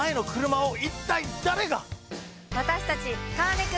私たち。